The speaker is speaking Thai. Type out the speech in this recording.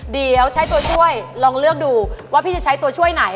เดี๋ยวใช้ตัวช่วยลองเลือกดูว่าพี่จะใช้ตัวช่วยไหน